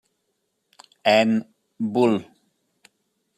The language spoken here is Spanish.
En: Bull.